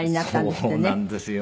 そうなんですよ。